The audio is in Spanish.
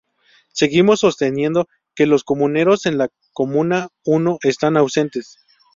Seguimos sosteniendo que los comuneros en la comuna uno, están ausentes.